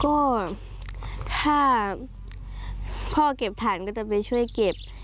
ก็ถ้าพ่อเก็บฐานก็จะไปช่วยเก็บ